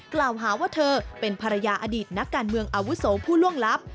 กล่าวหาว่าเธอเป็นภรรยาอดีตนักการเมืองอาวุโสผู้ล่วงลับ